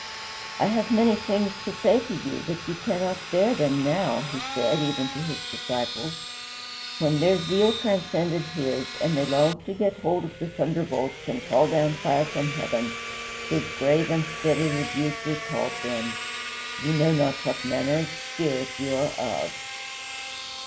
"I have many things to say to you, but ye cannot bear them now," he said even to his disciples. When their zeal transcended his, and they longed to get hold of the thunderbolts and call down fire from heaven, his grave and steady rebuke recalled them: "Ye know not what manner of spirit ye are of."